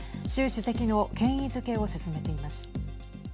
主席の権威づけを進めています。